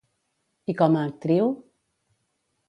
I com a actriu?